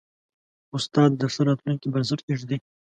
استاد د ښه راتلونکي بنسټ ایږدي.